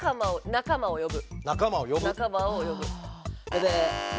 仲間を呼ぶ！